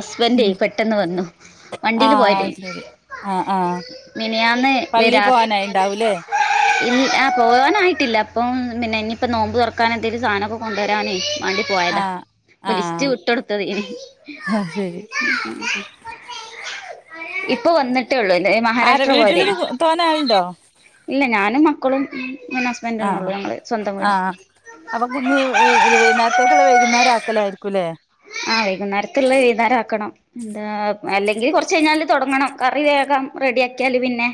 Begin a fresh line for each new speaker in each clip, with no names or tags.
ഹസ്ബൻഡേ പെട്ടെന്ന് വന്നു വണ്ടിയിൽ
ആഹ
പോയത്
അ ശരി ആഹ ആഹ
മിനിയാന്ന്
പള്ളി പോവാനായി ഉണ്ടാവൂല്ലേ [inaudible]
ഇ ആ പോവാനായിട്ടില്ല അപ്പം പിന്നെ ഇനിയിപ്പോ നോമ്പ് തുറക്കാൻ എന്തേങ്കിലും സാനക്കെ കൊണ്ടുവരാനേ വേണ്ടി പോയതാ
ആഹ്
ഇപ്പൊ ലിസ്റ്റ്
ആഹ്
വിട്ടൊടുത്തത്
അത് ശരി
ഇപ്പൊ വന്നിട്ടേള്ളു
ആര
മഹാരാഷ്ട്ര
വീട്ടില്
പോയതീയ്നിം
തോനെ ആളുണ്ടോ
ഇല്ല ഞാനും മക്കളും ഹസ്ബൻഡന്ന ഉള്ളൂ
ആഹ്
ഞങ്ങള് സ്വന്തം വീടാ
ആഹ് അപ്പൊ വൈകുന്നേരത്തേക്കുള്ള വൈകുന്നേരം ആക്കലായിരിക്കുംല്ലേ
ആഹ വൈകുന്നേരത്തള്ള വൈകുന്നേരം ആക്കണം എന്താ അല്ലെങ്കിൽ കുറച്ച കഴിഞ്ഞാല് തുടങ്ങണം കറി വേഗം റെഡി ആാക്കിയാല് പിന്നെ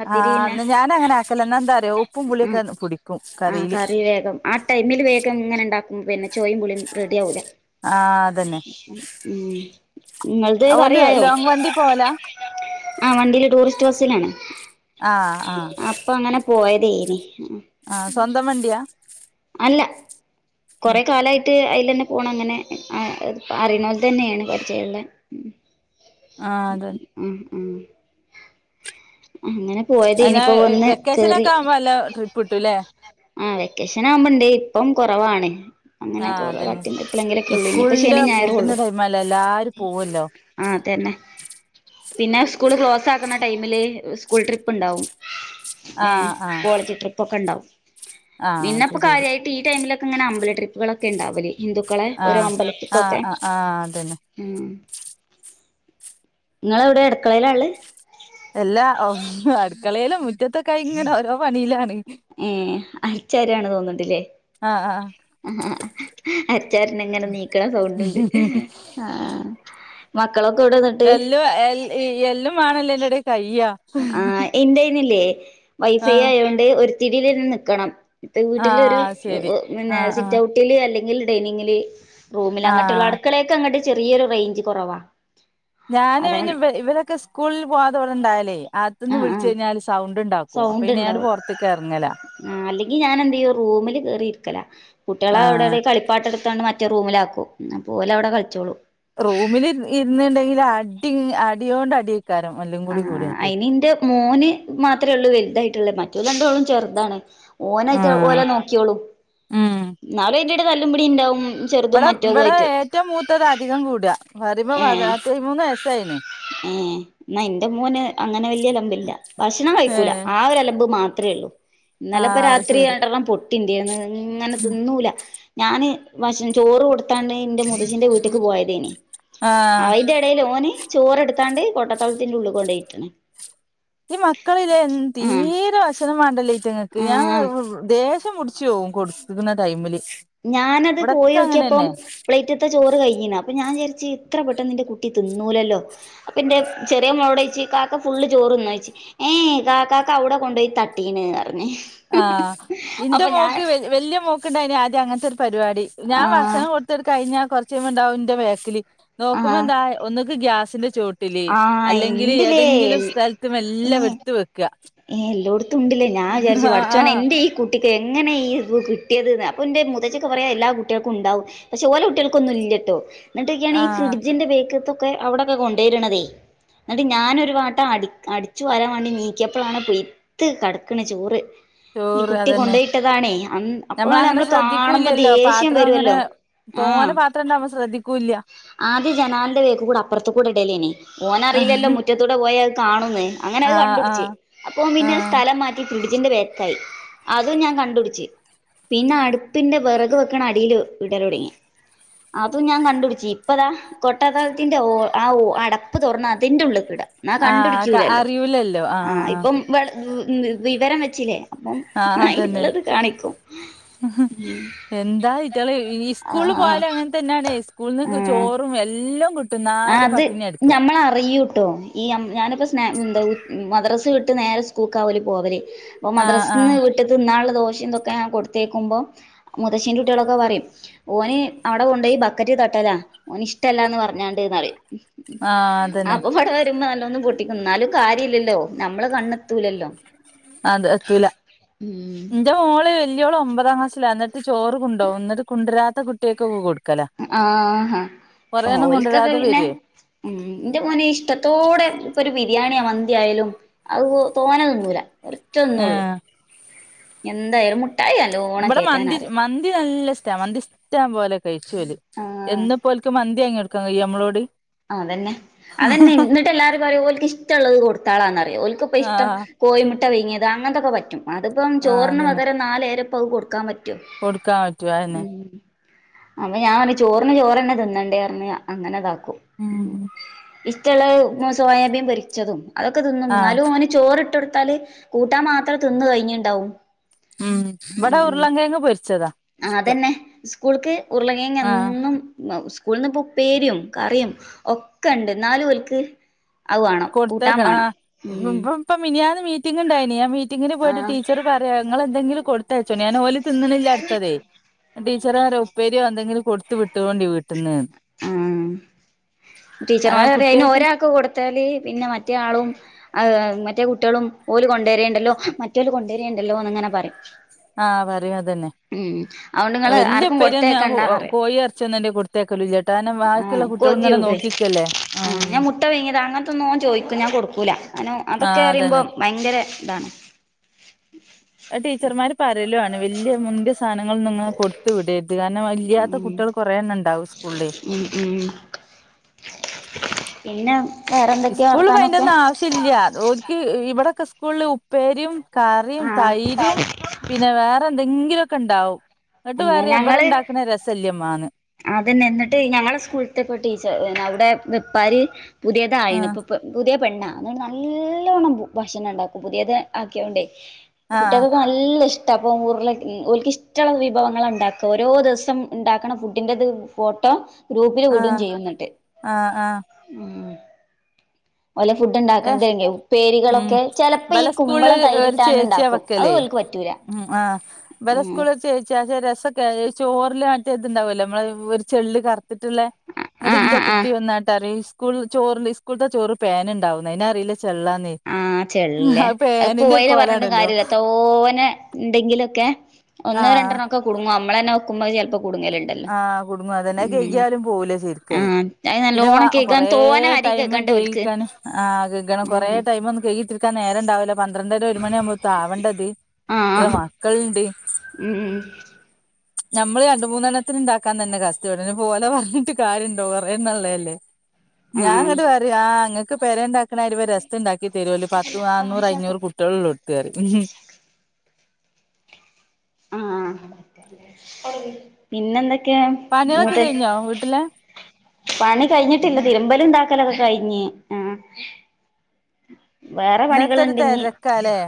പത്തിരി
ആഹ്
പിന്നെ
ന്ന ഞാന അങ്ങനെ ആക്കല എന്നാ എന്താറിയോ ഉപ്പും
ഉം.
പുളിയൊക്കെ പുടിക്കും
ആ
കറീയില്
കറി വേഗം ആ ടൈമിൽ വേഗം ഇങ്ങനെ ഉണ്ടാക്കും പിന്നെ ചോയും പുളിയും റെഡി ആവൂല
ആഹ് അതന്നെ
ഉം ഇങ്ങൾത്
ഓല്
കറിയായോ
ലോങ് വണ്ടി പോവലാ
ആ വണ്ടിയില് ടൂറിസ്റ്റ് ബസിലാണ്
ആഹ് ആഹ്
അപ്പൊ അങ്ങനെ പോയതേയ്നി
ആഹ സ്വന്തം വണ്ടിയാ
അല്ല കൊറെ കാലായിട്ട ട്ട് അയിലെന്നെ പോണം അങ്ങനെ അറിയണോൽ തന്നെയാണ് പരിചയള്ള
ആഹ് അതന്നെ
ആഹ് ആഹ് അങ്ങനെ പോയത്
അന്നാ
ഇനിയിപ്പോ വന്ന് കേറി
വെക്കേഷനൊക്കെ ആവുമ്പോ അല്ല ട്രിപ്പ് കിട്ടൂല്ലേ
ആ വെക്കേഷൻ ആവുമ്പണ്ട് ഇപ്പം കുറവാണ് അങ്ങനെ
ആഹ്
കുറ
അതന്നെ
എപ്പഴെങ്കിലുംക്കെ ഉള്ളൂ ഇനിയിപ്പ
ഇസ്കൂളിന്റെ
ശനി ഞായറേ
പൂട്ടിന്റെ
ഉള്ളു
ടൈമല്ലേ എല്ലാരും പോവല്ലോ
ആ തന്നെ പിന്നെ സ്കൂള് ക്ലോസ് ആക്കുന്ന ടൈമില് സ്കൂൾ ട്രിപ്പ് ഉണ്ടാവും ഏ
ആഹ് ആഹ്
കോളേജ് ട്രിപ്പ ഒക്കെ ഉണ്ടാവും
ആഹ് അത്
പിന്നപ്പ
ശരി
കാര്യമായിട്ട് ഈ ടൈമിലൊക്കെ ഇങ്ങനെ അമ്പല ട്രിപ്പുകളൊക്കെ ഉണ്ടാവലേ ഹിന്ദുക്കളെ ഓരോ
ആഹ് ആഹ്
അമ്പലത്ക്കൊക്കെ
ആഹ് ആഹ് അതന്നെ
ഉം ഇങ്ങളെവിടെ അട്ക്കളയിലാ ഇള്ളത്
എല്ലാ അട്ക്കളേലും മുറ്റത്തൊക്കായി ഇങ്ങനെ ഓരോ പണിയിലാണ്
ഏ അട്ച്ചാരാണ് തോന്ന്ണ്ട്ല്ലേ?
ആ ആഹ്
ആ അട്ച്ചാര്ണെങ്ങനെ നീക്ക്ണ സൗണ്ട്ണ്ട് ആ മക്കളൊക്കെവിടെന്ന്ട്ട്‌?
എല്ലും എ എല്ലുംമാണല്ലേ അയിന്റെടേ കയ്യാ
ആഹ് ഇന്റയ്നില്ലേ വൈഫൈ
ആഹ്
ആയോണ്ട് ഒരുത്തുടീലന്നെ നിക്കണം ൾത്തെ വീട്ടിലൊരു
ആഹ്
ഒ
ശരി
ഒരു പിന്നെ
ആഹ് ആഹ്
സിറ്റൗട്ട് ട്ടില് അല്ലെങ്കില് ഡൈനിങ്ങില്, റൂമില്, അങ്ങട്ട്ള്ള
ആഹ്
അട്ക്കളേക്കങ്ങട്ട് ചെറിയൊരു റെയ്ഞ്ച് കൊറവാ
ഞാന് പിന്നെ ഇവ ഇവരൊക്കെ സ്കൂളിൽ പോവാതെ ഇവടെണ്ടായാലേ അകത്ത്ന്ന്
ആഹ്
വിളിച്ചു
ആഹ്
കഴിഞ്ഞാല് സൗണ്ട്ണ്ടകും അപ്പപ്പിന്നെ ഞാനാണ്ട് പൊറത്ത്ക്കെറങ്ങും
ആ അല്ലെങ്കി ഞാനെന്തെയ്യും റൂമില് കേറിയിരിക്കല കുട്ടിയളെ
ആഹ്
അവിടൊവ്ടേ കളിപ്പാട്ടെടുത്താട്ട് മറ്റേ റൂമിലാക്കും അപ്പോലവ്ടെ കളിച്ചോളും
റൂമില് ഇര് ഇര്ന്ന്ണ്ടെങ്കില് അടി അടിയോണ്ട് അടിയേക്കാരം എല്ലും കൂടി
ആഹ്
കൂടിയാട്ട്
അയിന് ഇന്റെ മോന് മാത്രേയൊള്ളൂ വൽതായിട്ട്ള്ളേ മറ്റോല് രണ്ടാളും ചെറുതാണ് ഓനായിട്ട
ആഹ്
ഓലെ നോക്കിയോളും
ഉം
ഇന്നാലും അയിന്റെടേല് തല്ലുംപുടിണ്ടാവും
ഇബടെ ഇബടെ ഏറ്റവും മൂത്തത് അധികം കൂടാ പറിമ്പം പത്തയ്മൂന്ന് വയസ്സായീണ്
ഏഹേ ഇന്ന ഇന്റെ മോന് അങ്ങനെ വല്ല്യ അലമ്പില്ല ഭക്ഷണം കഴിക്കൂല
ഏഹ്
ആ ഒരു അലമ്പ് മാത്രേയൊള്ളൂ ഇന്നലെപ്പ
ആഹ് അത്
രാത്രി
ശരി
രണ്ടെണ്ണം പൊട്ടി ഇന്റേന്ന് ഇങ്ങനെ തിന്നൂല ഞാന് ഭക്ഷ ചോറ് കൊടുത്താണ് ഇന്റെ മൂത്തച്ചിൻ്റെ വീട്ട്ക്ക് പോയതേനി
ആഹ്
അയിന്റെടേല് ഓന് ചോറെട്ത്താണ്ട് കൊട്ടത്തളത്തിറെ ഉള്ള്ക്ക് കൊണ്ടോയിട്ട്ണ്
ഈ മക്കളിലേ
ആ
തീരെ ഭക്ഷണം വാണ്ടല്ലേ അയ്റ്റങ്ങക്ക് ഞാൻ
ആ
മ് ദേശ്യ പുടിച്ചോവും കൊടുത്ത്ക്ക്ണ ടൈമില്
ഞാനത്
ഇവിടൊക്കെ
പോയോക്കിയപ്പം
അങ്ങനെന്നെ
പ്ലേറ്റ് ഇട്ട ചോറ് കഴ്ഞ്ണ് അപ്പൊ ഞാൻ വിചാര്ച്ച് ഇത്ര പെട്ടെന്ന് ഇന്റെ കുട്ടി തിന്നൂലല്ലോ അപ്പെന്റെ ചെറിയ മോളോടോയ്ച്ച് കാക്ക ഫുള്ള് ചോറ്ന്നോയ്ച്ച് ഏഹേ ഏ കാക്കാക്ക അവ്ടെ കൊണ്ടോയി തട്ടീണ് പർഞ്
ആഹ് ഇന്റെ മോക്ക് വ വല്ല്യ മോക്ക്ണ്ടായിനി ആദ്യം അങ്ങൻത്തൊ രു പരിവാടി ഞാൻ
ആ
ഭക്ഷണം കൊടുത്ത്ങ്ങട്ട് കഴിഞ്ഞാ കൊറച്ചയ്യുമ്പണ്ടാവും ഇന്റെ ബേക്കില്
ആ
നോക്കുമ്പെന്താ ഒന്നുക്ക് ഗ്യാസിന്റെ ചോട്ടില്
ആ
അല്ലെങ്കില്
എന്തിലേ
ഏതെങ്കിലും സ്ഥൽത്ത് മെല്ലെ എടുത്ത് വെക്ക
ഏഹ് എല്ലോട്ത്തും ഇണ്ട്ല്ലേ ഞാ വിചാരിച്ച് പടച്ചോനെ
ആഹ്
ഇന്റെ ഈ കുട്ടിക്ക് എങ്ങനെ ഈ ഇത് കിട്ടിയെത് ന്ന് അപ്പം ഇൻ്റെ മൂത്തച്ചിയൊക്കെ പറയും അത് എല്ലാ കുട്ടിയൾക്കും ഇണ്ടാവും പക്ഷെ ഓലെ കുട്ടിയൾക്കൊന്നും ഇല്ല്യ ട്ടോ ഇന്നട്ടോക്ക്യാണി ഈ
ആഹ്
ഫ്രിഡ്ജിന്റെ ബാക്ക്ത്തൊ ക്കെ അവിടൊക്കെ കൊണ്ടോയിട്ണതേ എന്നിട്ട് ഞാനൊരു വാട്ടം അടി അടിച്ചു വരാ വേണ്ടി നീ ക്കിയെപ്പളാണ് പുയ്ത്ത് കടക്ക്ണ് ചോറ് ഈ
ചോറ്
കുട്ടി
അതന്നെ
കൊണ്ടോയിട്ടതാണേ അപ്പൊ
ഞമ്മളങ്ങനെ
നമ്മള് കാണുമ്പോ
ശ്രദ്ധിക്കൂല്ലല്ലോ
ദേഷ്യം
പാത്രം അങ്ങനെ
വരുവല്ലോ ആഹ്
തോനെ പാത്രംണ്ടാവുമ്പം ശ്രദ്ധിക്കൂല്ല്യ
ആദ്യം ജനാലെന്റെ ബേക്ക് കൂടെ അപ്പർത്ത് കൂടെ ഇടലേനി ഓനററീല്ലല്ലോ
ആഹ്
മുറ്റ ത്ത് കൂടെ പോയാ അത് കാണുംന്ന് അങ്ങനത്
ആഹ്
കണ്ടുട്ച്ച് അപ്പ ഓം പിന്നെ
ആഹ്
സ്ഥല ലം മാറ്റി ഫ്രിഡ്ജിന്റെ ബേക്ക്ക്കായി അതും ഞാൻ കണ്ടുട്ച്ച് പിന്നെ അടുപ്പിന്റെ വെറക് വെക്ക്ണ അടിയില് ഇടലൊട്ങ്ങി അതും ഞാൻ കണ്ടുട്‌ച്ച് ഇപ്പെതാ കൊട്ട തൾത്തിന്റെ ആ അടപ്പ് തൊറന്ന് അതിന്റെ ഉള്ള്ക്ക്ട
ആ ക അറിയൂലല്ലോ ആഹ്
വേ വിവരം വെച്ചില്ലേ അപ്പം
ആഹ് അതന്നെ
അയ്റ്റങ്ങള് ത് കാണിക്കും
എന്താ ഇറ്റള് ഈ
ആ
സ്കൂളിൽ പോയാലും അങ്ങനെ തന്നെയാണേ സ്കൂളന്ന് ചോറും എല്ലാം കി
ആഹ് അത് ഞമ്മൾ അറിയൂട്ടോ ഈ ഞാനിപ്പ സ് എന്താ മദ്രാസൽ വിട്ട് നേരെ സ്കൂൾക്ക ഓല് പോവല് ഇപ്പൊ
ആഹ്
മദ്രാസിൽ നിന്ന്
ആഹ്
വിട്ട് തിന്നാനുള്ള ദോശം ഇതൊക്കെ കൊടുത്തേക്കുമ്പോ മുതശ്ശന്റെറെ കുട്ടികളൊക്കെ പറയും ഓന് അവിടെ കൊണ്ടോയി ബക്കറ്റ് തട്ടല ഓന് ഇഷ്ടല്ലാ എന്ന് പറഞ്ഞാണ് പറി
ആഹ് അതന്നെ
അപ്പൊ ഇവടേ ന്നിട്ട് മ്മ നല്ലൊന്നും പൊട്ടിക്കും എന്നാലും കാര്യല്ലല്ലോ നമ്മള് കണ്ണെത്തൂലല്ലോ
അതെ എത്തുല എന്റെ മോൾ വല്ലയോള ഒമ്പതാം ക്ലസ്സല്ല എന്നട്ട് ചോറ് കൊണ്ടോവും എന്നിട്ട് കൊണ്ടുവരാത്ത കുട്ടിയക്കെ കൊടുക്കു
ആഹഹാ ഓല്ക്കൊക്കെ
കൊണ്ടുവരാതെ
പിന്നെ
വരുവേ
ഉം എന്റെ മോനെ ഇഷ്ടത്തോടെ ഇപ്പൊ ഒരു ബിരിയാണിയൊ മന്തിയാലും അത് തോന്നൊന്നൂല കുറച്ചൊന്നുള്ളൂ
ആഹ്
എന്തായാലും മുട്ടായില്ല
ഇവിടെ മന്തി മന്തി നല്ല ഇഷ്ട്ട മന്തി ഇഷ്ടം പോലെ കഴിച്ചോല്
ആഹ്
എന്ന് പോലക്കു മന്തിയാങ്ങി എടുക്കാൻ കയ്യോ നമ്മളോട്
ആതന്നെ അതന്നെ എന്നിട്ട് എല്ലാരും പറഓക്ക് ഇഷ്ടമുള്ളത് കൊടുത്താളാന്നറിയോഓക്ക ഇപ്പ ഇഷ്ടം
ആഹ്
കോഴമുട്ട പുയിങ്ങിയത് അങ്ങനത്തൊക്കെ പറ്റും അതിപ്പം
ആഹ്
ചോറിന്
അതന്നെ
വകരെ നാലേരപത് കൊടുക്കാൻ പറ്റു
കൊടുക്കാൻ പറ്റോ അതന്നെ
അപ്പൊ ഞാൻ ചോറിന് ചോറ്ന്നെ തിന്നണ്ടേ പറഞ്ഞ് അങ്ങനെ ഇതാക്കും
ഉം
ഇഷ്ടമുള്ള സ്വായാബീൻ പൊരിച്ചതും അതൊക്കെ തിന്നും
ആഹ്
ന്നാലും ഓൻ ചോറിട്ട് കൊടുത്താല് കൂട്ടാൻ മാത്രം തിന്ന് കഴിഞ്ഞിണ്ടാവും
ഉം ഇവിടെ ഉരുളങ്കയങ് പൊരിച്ചതാ ഇഷ്ടം
അതന്നെ സ്കൂൾക്ക് ഉരുളങ്ങിയങ്ങ്
ആഹ്
എന്നും സ്കൂളിന്ന് ഇപ്പോൾ ഉപ്പേരിയും കറിയും ഒക്കെ ഉണ്ട് നാലു ഓൽക്ക് അത് വേണം കൂട്ടാൻ
കൊടുത്തേക്കണം
വേണം
ആഹ്
ഉം
ഇപ്പ ഇപ്പ മിനിയാന്ന് മീറ്റിംഗങ്ണ്ടായിനി ആ മീറ്റിന് പോയിട്ട്
ആഹ്
ടീച്ച പറയാ നിങ്ങളെന്തെങ്കിലും കൊടുത്തയച്ചോ ഞാൻ ഓലി തിന്നണില്ല അടുത്തതേ ടീ ടീച്ചറ റിയ പ്പേരിയോ എന്തെങ്കിലും കൊടുത്ത വിട്ടോണ്ടി വീട്ടന്ന്
ആ
അതാ
ടീച്ചർമാരറിയ അയ്ന്
കുട്ടികൾക്ക്
ഒരാൾക്ക് കൊ ത്തല് പിന്നെ മറ്റേ ആളും മറ്റേ കുട്ടികളും ഓല് കൊണ്ടുവരയേണ്ടല്ലോ മറ്റേല് കൊണ്ടുവരേുണ്ടല്ലോന്ന് ഇങ്ങനെ പറയും
ആഹ പറയും അതന്നെ
ഉം അതുകൊണ്ട് നിങ്ങള്
വല്യ
ആർക്കും
ഉപ്പരിയൊന്നും
കൊടുത്തേക്കണ്ടാന്ന് പറയും
കോഴി ഇറച്ചി കൊടുത്തയക്കലുല്ല
ആഹ് കൊതികൂടും ആഹ്
ഉം
ഞാൻ മുട്ട പുയിങ്ങിയതാ അങ്ങനത്തെന്നും ഓൻ ചോദിക്കും ഞാൻ കൊടുക്കൂല കാരണം അതൊക്കെ
ആഹ്
അറിയുമ്പോ
അതന്നെ
ഭയങ്കര ഇതാണ്
ടീച്ചർമാര് പറയലുവാണ് വലിയ മുന്തിയ സാധനങ്ങൾ നിങ്ങൾ കൊടുത്തു വിടരുത് കാരണം ഇല്ലാത്ത
ഉം
കുട്ടികൾ കുറെണ്ണംണ്ടാവും സ്കൂളില്
ഉം ഉം പിന്നെ വേറെന്തൊക്കെയാ വർത്താനൊക്കെ
ല്ല ഒക്ക് ഇവിടെക്കെ സ്കൂളില് ഉപ്പേരിയും കറിയും
ആഹ്
തൈരും പിന്നെ വേറെ എന്തെങ്കിലുമൊക്കെ ഇണ്ടാവും എന്നിട്ട് പറ ഇബടെ
ഞങ്ങള്
ഉണ്ടാക്കണ രസല്യമ്മാന്ന്
അതന്നെ എന്നിട്ട് ഞങ്ങളുടെ സ്കൂളത്തെ പോ ടീച്ചർ അവിടെ വെപ്പാരി പുതിയതായിണ്
ആഹ്
ഇപ്പൊ പുതിയ പെണ്ണാ അ നല്ലോണ്ണം ഭക്ഷണം ഉണ്ടാക്കും പുതിയത് ആക്കിയ കൊണ്ടേ
ആഹ്
കുട്ടികൾക്ക് നല്ല ഇഷ്ടം അപ്പൊ രുള ഓൽ ക്ക ഇഷ്ടമുള്ള വിഭവങ്ങൾ ഉണ്ടാക്കും ഓരോ ദിവസം ഉണ്ടാക്കണ ഫുഡിന്റെത് ഫോട്ടോ ഗ്രൂപ്പിൽ വിടും
ആഹ്
ചെയ്യുംന്നിട്ട്
ആഹ് ആഹ്
ഓലെ ഫുഡ്
ഏഹ്
ഉണ്ടാക്കണതെക്കെ
ഉം
ഉപ്പേരികളൊക്കെ ചിലപ്പോ ഈ
ഇബലെ സ്കൂളില്
കുമ്പളം തൈരിട്ടാണ് ഉണ്ടാക്കും അത് ഓല്ക്ക് പറ്റൂലാ
ആ ബലെ സ്കൂളി ചേ- [unintelligible] രസൊക്കെ ചോറില മറ്റെ ഇതുണ്ടാവുമല്ലോ നമ്മള ഒരു ചെള്ള് കറുത്തിട്ടുള്ള ഇവിടെ
ആഹ്
ഇന്റെ
ആഹ് ആഹ്
കുട്ടി വന്നാട്ടാല് സ്കൂള് ചോറ് സ്കൂളത്തെ ചോറ് പേന് ണ്ടാവുന്ന് ഇവനറിയില്ല ചെള്ളാന്നെ
ആഹ് ചെള്ള്ല്ലേ അത് പോയെന്ന് പറഞ്ഞി
കോലാണല്ലോ
കാര്യല്ല തോനെ ഉണ്ടെങ്കിലൊക്കെ ഒന്ന്
ആഹ്
രണ്ടണ്ണം ഒക്കെ കുടുങ്ങും മ്മളന്നെ നോക്കുമ്പോ അത് ചെലപ്പോ കുടുങ്ങേല്ല
ആഹ് കുടുങ്ങും അതന്നെ കഴ്കിയാലും പോവൂല ശെരിക്കെ
ആഹ് അത്
പിന്നെ വ
നല്ലോണം കേൾക്കാൻ
കൊറേ
തോന അരി
ടൈമ്
കേൾക്കണ്ട ഓൽക്ക്
കഴുകിക്കാന് ആഹ് നിക്കണം കുറേ
ഉം
ടൈം ഒന്ന് കഴിട്ടിരിക്കാൻ നേരം ഉണ്ടാവില്ല പന്ത്രണ്ടര ഒരു മണി ആവുമ്പോ ആവണ്ടത് ഇത്ര
ആഹ്
മക്കൾണ്ട്
ഉം
നമ്മള് രണ്ട് മൂന്നെല അത് ഉണ്ടാക്കാൻ തന്നെ കസ്ട്ടപ്പെട പോലോ പറഞ്ഞിട്ട് കാര്യംണ്ടോ പറയന്നള്ളേ അല്ലേ ഞാ
ആഹ്
അങ്ങോട്ട് പറയ ആഹ് അങ്ങൾക്ക് പേരെണ്ടാക്കണ രസം ഉണ്ടാക്കി തരുമല്ലോ പത്തു നാന്നൂറ് അഞ്ഞൂറ് കുട് ട്ടികളുണ്ട് [unintelligible]
ആഹ് പിന്നെ എന്തൊക്കെയാ മൂത്ത
ഹോട്ടല
പണി കഴിഞ്ഞിട്ടില്ല തിരുമ്പല ഇണ്ടാക്കലൊക്കെ കഴിഞ്ഞ് ആഹ് വേറെ പണികൾ
ഇന്നത്തെ ഒരു
ഉണ്ടിഞ്ഞി
തിരക്കാല്ലേ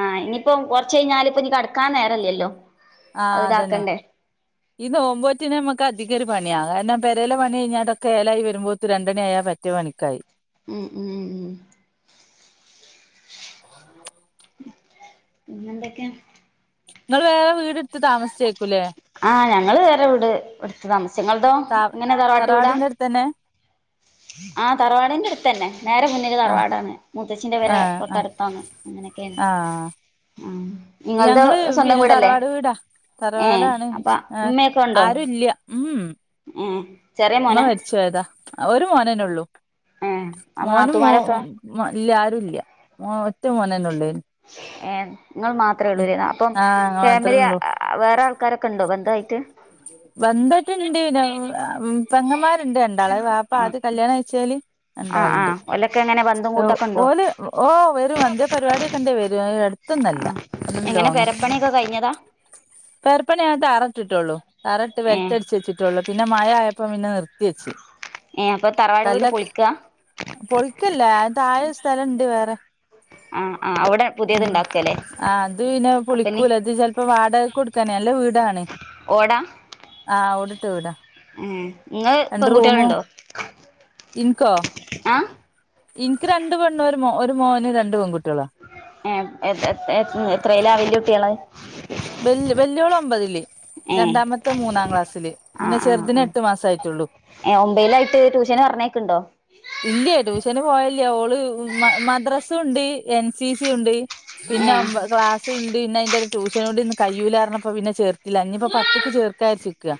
ആഹ് ഇനിയിപ്പോ കൊറച്ച് കഴിഞ്ഞാല് ഇപ്പൊ ഇനി കടക്കാൻ നേരല്ലല്ലോ
ആഹ്
അത്
അതന്നെ
ഇതാക്കണ്ടേ
ഈ നോമ്പോറ്റിന നമുക്ക് അധികം ഒരു പണിയാ കാരണം പെരയില പണി കഴിഞ്ഞാട്ടൊക്കെഏല വരുമ്പോതെന് ഒരു രണ്ടണിയായാൽ പ റ്റു പണിക്കായി
ഉം ഉം പിന്നെന്തൊക്കെയ
നിങ്ങള് വേറെ വീട് എടുത്ത് താമസിച്ചേക്കൂല്ലേ
ആഹ് ഞങ്ങള് വേറെ വിട് എടുത്ത് താമസിച്ച് ഇങ്ങളതോ
ത
എങ്ങനെ തറവാട്ട് വീടാ
തറവാടിന്റെ അടുത്തന്നെ
ആഹ് തറവാടിന്റെ അടുത്ത് തന്നെ നേരെ [unintelligible]
ആ
തറവാടാണ് മുത്തച്ഛിന്റെ പെര
ആ ആ
തൊട്ടടുത്താണ് അങ്ങനെയൊക്കെയാണ്
ആ
ആഹ് നിങ്ങളത്
ഞങ്ങള്
സ്വന്തം
പിന്നെ
വീടല്ലേ
തറവാട് വീടാ
ഏഹ്
തറവാടാണ്
അപ്പൊ
ആ
ഉമ്മയൊക്കെ ഉണ്ടോ
ആരും ഇല്ല ഉം
ഏഹ് ചെറിയ
ഉമ്മ
മോനാ
മരിച്ചുപോയതാ ഒരു മോനന്നെള്ളൂ
ഏഹ് അപ്പൊ
മോനും മോ-
നാത്തൂമാരൊക്കെ
മ ഇല്ല ആരുഇല്ല മ ഒറ്റ മോനന്നേ ഉള്ളേനു
ഏ നിങ്ങൾ മാത്രമേ ഉള്ളൂ അപ്പം
ആ മാത്രേ
ഫാമിലി
ഉള്ളൂ
വേറെ ആൾക്കാരൊക്കെ ഉണ്ടോ ബന്ധമായിട്ട്
ബന്ധവായിട്ട് ഉണ്ടേനു പെങ്ങന്മാരുണ്ട് രണ്ടാള് വാപ്പ
ആഹ്
ആദ്യം കല്യാണം കഴിച്ചേല്
ആഹ്
എന്താളുണ്ട്
ആഹ് ഓലൊക്കെ എങ്ങനെ ബന്ധും കൂട്ടൊക്കെ ഉണ്ടോ
ഓല് ഓ വരും എന്തേലും പരിപാടിക്കെ ഇണ്ടേ വരും ത്തന്നല്ല
ആഹ്
അത്
എങ്ങനെ
ലോങ്ങ
പെരപ്പണിയൊക്കെ കഴിഞ്ഞതാ
പെർപ്പണിയ ആട്ട് തറട്ടിട്ടുള്ളൂ തറട്ട്
ഏഹ്
ബെൽറ്റടിച്ച് വെച്ചിട്ടള്ളൂ പിന്നെ മഴആയപ്പോ പിന്നെ നിർ
ഏഹ് അപ്പൊ തറവാട് വീട് പൊളിക്കാ
പൊളിക്കല്ല താഴെ സ്ഥലുണ്ട് വേറെ
ആഹ് ആഹ് അവിടെ പുതിയത് ഉണ്ടാക്കിയല്ലേ
ആഹ് അത് പിന്നെ പൊളിക്കൂല അത് ചിലപ്പോ വാടക കൊടുക്കാന നല്ല വീടാണ്
ഓടാ
ആഹ് ഓടിട്ട വീടാ?
ഏഹ് ഇങ്ങള്
രണ്ട് റൂമും
പെൺകുട്ട്യേള്ണ്ടോ ആഹ്
ഇനിക്ക് രണ്ട് പെണ്ണു ഒര് ഒരു മോന് രണ്ട് പെൺകുട്ട്യേളാ
ഏഹ് എത് എത് എത്രേലക വെല്യ കുട്ട്യേള്
വെൽ വെല്യോള് ഒമ്പതില്
ഏഹ്
രണ്ടാമത്തെ മൂന്നാം ക്ലാസ്സില് പിന്നെ
ആഹ് ആഹ്
ചെറുതിന്
ആഹ്
എട്ടു മാസയിട്ടുള്ളു
ഏഹ് ഒമ്പെയിലായിട്ട് ട്യൂഷന് പറഞ്ഞയക്ക്ണ്ടോ?
ഇല്ലേ ട്യൂഷന് പോവലില്ലാ ഓള് മ മദ്രസുണ്ട് എൻ സി സിയുണ്ട് പിന്നെ
ഏഹ്
ഒമ്പ ക്ലാസ്സ് സുണ്ട് പിന്നെ അയിന്റെ ഒരു ട്യൂഷനൂടി ഇ കയൂലാറഞ്ഞപ്പോ പിന്നെ ചേർത്തില്ലാ ഇനിപ്പ പത്ത്ക്ക് ചേർക്കാ വിചാരിച്ച്ക്കാ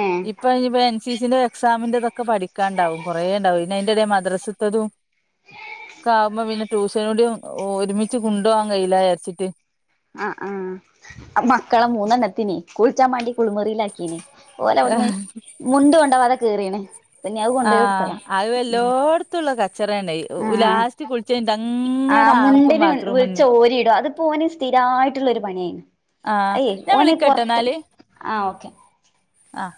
ഏഹ്
ഇപ്പ അയിനിപ്പം എൻ സി സിന്റെ എക്സാമിന്റതൊക്കെ പഠിക്കാണ്ടാവും കൊറേ ഇണ്ടാവും ഇ അയിൻ്റെടെ മദ്രസത്തതും ക്കെ ആവുമ്പോ പിന്നെ ട്യൂഷനൂടിയും ഒ ഒരുമിച്ച് കൊണ്ടോവാൻ കയ്യൂലാ വിചാരിച്ചിട്ട്
ആഹ് ആഹ് ആഹ് മക്കളെ മൂന്നെണ്ണത്തിനിം കുളിച്ചാമ്മാണ്ടി കുളിമുറിയിലാക്കി ക്കീന് ഓലവിടുന്ന് മുണ്ട് കൊണ്ടോവാതെ കേറീണ് പിന്നെ അത് കൊണ്ടോയി കൊടുത്തതാ ഉം
ത്ത്ള്ള കച്ചറാണെ ലാസ്റ്റ് കുളിച്ചഴിഞ്ഞിട്ട് അങ്ങനെ ആർക്കും ബാത്റൂം
ളിച്ചാ ഓരിടും അതിപ്പോന് സ്ഥിരായിട്ടുള്ള ഒരു പണിയായിന്
ആഹ്
അയ്യേ
ഞാൻ
ഓന് പൊറത്ത്
വിളിക്കട്ടാന്നാല്
ആഹ് ഓക്കെ
ആഹ്